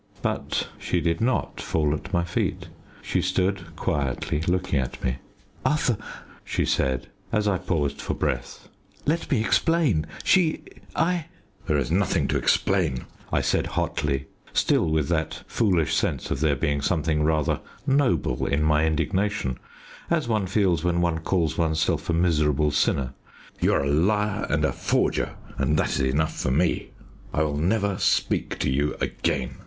But she did not fall at my feet; she stood quietly looking at me. "Arthur," she said, as I paused for breath, "let me explain she I " "There is nothing to explain," I said hotly, still with that foolish sense of there being something rather noble in my indignation, as one feels when one calls one's self a miserable sinner. "You are a liar and forger, and that is enough for me. I will never speak to you again.